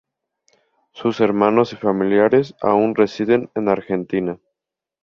Sus hermanos y familiares aún residen en la Argentina.